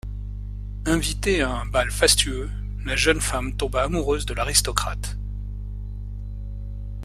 Invitée à un bal fastueux, la jeune femme tomba amoureuse de l'aristocrate.